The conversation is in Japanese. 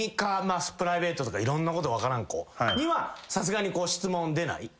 プライベートとかいろんなこと分からん子にはさすがに質問出ない？